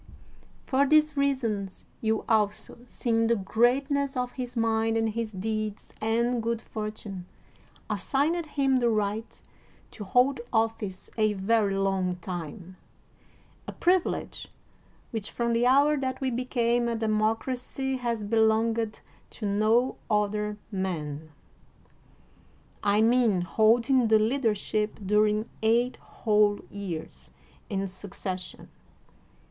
For these reasons you also, seeing the greatness of his mind and his deeds and good fortune, assigned him the right to hold office a very long time — a privilege which, from the hour that we became a democracy has belonged to no other man: I mean holding the leadership during eight whole years in suc cession.